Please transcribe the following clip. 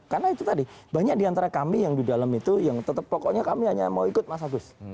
karena itu tadi banyak diantara kami yang di dalam itu yang tetap pokoknya kami hanya mau ikut mas agus